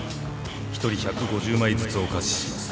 一人１５０枚ずつお貸しします。